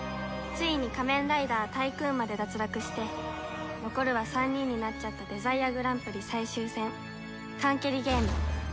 ついに仮面ライダータイクーンまで脱落して残るは３人になっちゃったデザイアグランプリ最終戦缶蹴りゲーム